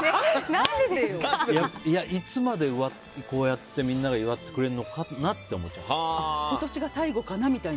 いつまでこうやってみんなが祝ってくれるのかなって今年が最後かなみたいな？